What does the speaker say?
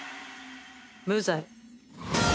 無罪。